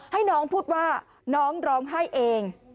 ให้น้องพูดว่าน้องร้องไห้เอง